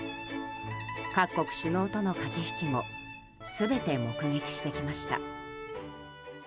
各国首脳との駆け引きも全て目撃してきました。